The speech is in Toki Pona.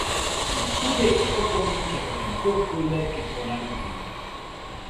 mi kule e oko mi kepeken ko kule pi pona lukin.